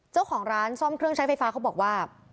เจ้าของร้านซ่อมเครื่องใช้ไฟฟ้าเขาบอกว่า